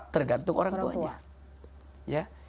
tergantung orang tuanya